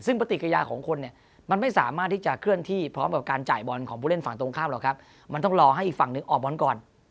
ซึ่งปฏิกิญญาณของคนไม่สามารถที่จะเคลื่อนที่ใจบอลของผู้เล่นฝั่งตรงข้ามหรอกครับมันต้องรอให้ออมบอลไปก่อน